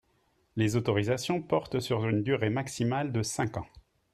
Les autorisations portent sur une durée maximale de cinq ans.